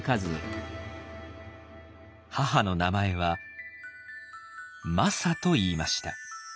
母の名前はマサといいました。